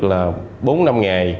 là bốn năm ngày